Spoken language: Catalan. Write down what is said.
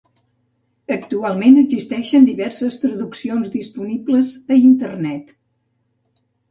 Actualment existeixen diverses traduccions disponibles a Internet.